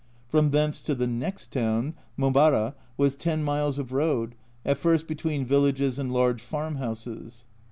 From thence to the next town (Mobara) was 10 miles of road, at first between villages and large farm houses.